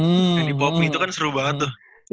yang di popme itu kan seru banget tuh